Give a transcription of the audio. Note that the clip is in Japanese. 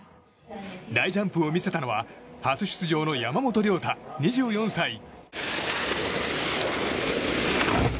大ジャンプを見せたのは初出場の山本涼太、２４歳。